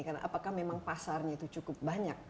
karena apakah memang pasarnya itu cukup banyak